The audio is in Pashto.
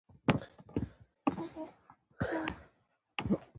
هغوى له ولي محمد سره له پخوا پېژندل.